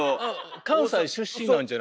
関西出身なんじゃないんですか？